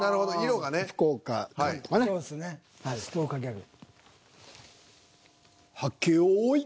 はい。